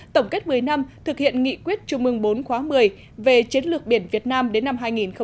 tổng kết một mươi năm thực hiện nghị quyết trung ương bốn khóa một mươi về chiến lược biển việt nam đến năm hai nghìn ba mươi